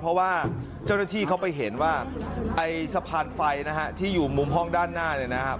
เพราะว่าเจ้าหน้าที่เขาไปเห็นว่าไอ้สะพานไฟนะฮะที่อยู่มุมห้องด้านหน้าเนี่ยนะครับ